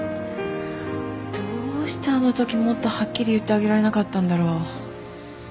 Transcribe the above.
どうしてあのときもっとはっきり言ってあげられなかったんだろう。